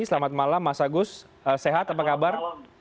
selamat malam mas agus sehat apa kabar